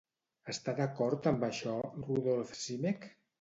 Està d'acord amb això Rudolf Simek?